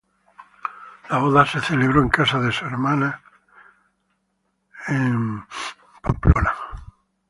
La boda se celebró en casa de su hermana, en Washington Place.